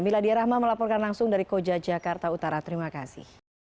miladia rahma melaporkan langsung dari koja jakarta utara terima kasih